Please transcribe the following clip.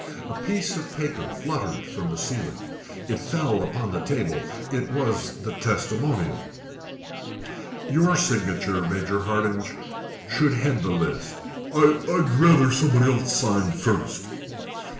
A piece of paper fluttered from the ceiling. It fell upon the table. It was the testimonial. "Your signature, Major Hardinge, should head the list." "I I I'd rather somebody else signed first."